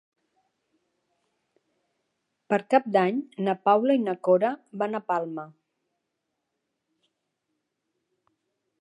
Per Cap d'Any na Paula i na Cora van a Palma.